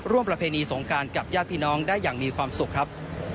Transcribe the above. ประเพณีสงการกับญาติพี่น้องได้อย่างมีความสุขครับ